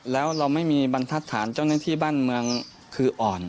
แล้วเราไม่มีบรรทัศนเจ้าหน้าที่บ้านเมืองคืออ่อน